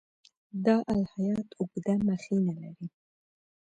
دا الهیات اوږده مخینه لري.